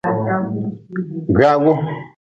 Gwaagu.